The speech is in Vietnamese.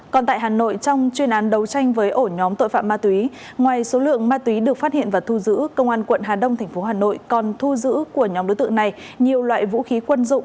còn tại hà nội trong chuyên án đấu tranh với ổ nhóm tội phạm ma túy ngoài số lượng ma túy được phát hiện và thu giữ công an quận hà đông tp hà nội còn thu giữ của nhóm đối tượng này nhiều loại vũ khí quân dụng